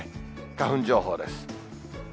花粉情報です。